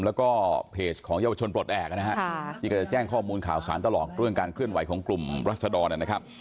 แล้วก็เพจของเยาวชนปลดแอบนะฮะที่ก็จะแจ้งข้อมูลข่าวสารตลอดเรื่องการเคลื่อนไหวของกลุ่มรัศดรนะครับ